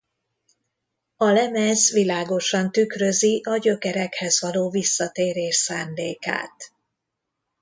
A lemez világosan tükrözi a gyökerekhez való visszatérés szándékát.